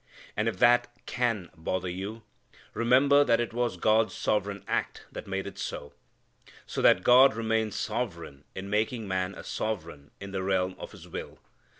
And if that "can" bother you, remember that it was God's sovereign act that made it so. So that God remains sovereign in making man a sovereign in the realm of his will.